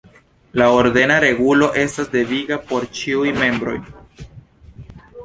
La ordena regulo estas deviga por ĉiuj membroj.